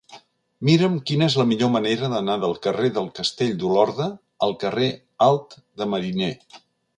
Mira'm quina és la millor manera d'anar del carrer del Castell d'Olorda al carrer Alt de Mariner.